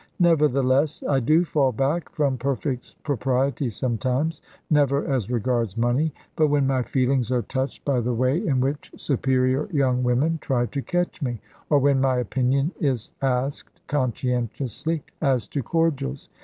Nevertheless I do fall back from perfect propriety sometimes; never as regards money; but when my feelings are touched by the way in which superior young women try to catch me; or when my opinion is asked conscientiously as to cordials.